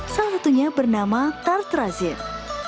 salah satunya bernama tartrazine